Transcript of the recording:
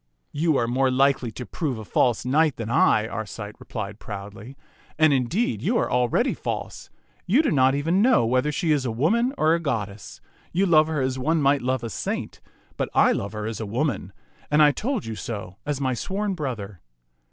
" You are more likely to prove a false knight than I," Arcite replied proudly, " and, indeed, you are al ready false. You do not know even now whether she is a woman or a goddess. You love her as one might love a saint, but I love her as a woman, and I told you so as my sworn brother.